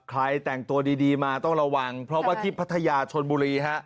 ใครแต่งตัวดีมาต้องระวังเพราะว่าที่พัทยาชนบุรีฮะ